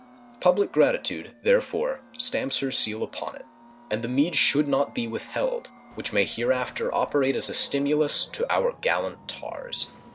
Public gratitude, therefore, stamps her seal upon it, and the meed should not be withheld which may here after operate as a stimulus to our gallant tars.